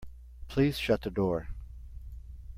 Please shut the door.